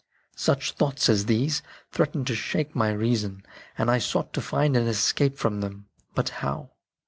Such thoughts as these threatened to shake my reason, and I sought to find an escape from them. But how